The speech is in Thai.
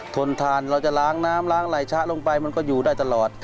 ทนทานเราจะล้างน้ำล้างไหล่ชะลงไปมันก็อยู่ได้ตลอด